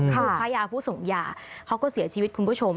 เครือขายยาผู้ส่งยาเค้าก็เสียชีวิตคุณผู้ชม